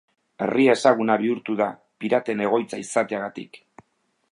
Herria ezaguna bihurtu da piraten egoitza izateagatik.